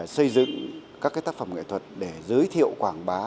xây dựng các tác phẩm nghệ thuật để giới thiệu quảng bá